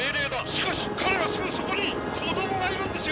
しかし彼はすぐそこに子供がいるんですよ！